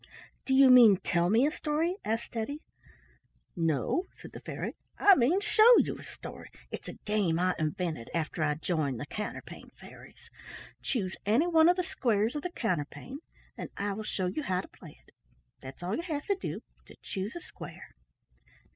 "Do you mean tell me a story?" asked Teddy. "No," said the fairy, "I mean show you a story. It's a game I invented after I joined the Counterpane Fairies. Choose any one of the squares of the counterpane and I will show you how to play it. That's all you have to do, — to choose a square."